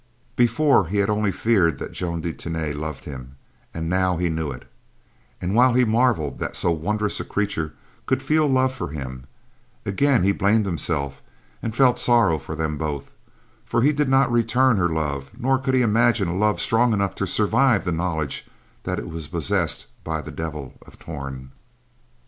Before, he had only feared that Joan de Tany loved him, now he knew it, and while he marvelled that so wondrous a creature could feel love for him, again he blamed himself, and felt sorrow for them both; for he did not return her love nor could he imagine a love strong enough to survive the knowledge that it was possessed by the Devil of Torn.